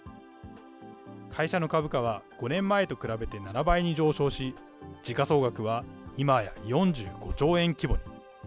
会社の株価は５年前と比べて７倍に上昇し、時価総額はいまや４５兆円規模に。